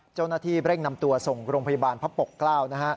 เจ้าหน้าที่เร่งนำตัวส่งโรงพยาบาลพระปกเกล้านะฮะ